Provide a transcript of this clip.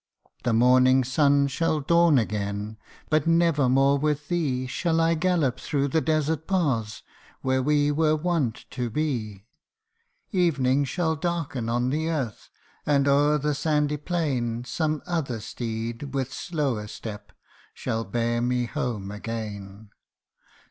The morning sun shall dawn again, but never more with thee Shall I gallop through the desert paths, where we were wont to be : Evening shall darken on the earth ; and o'er the sandy plain Some other steed, with slower step, shall bear me home again.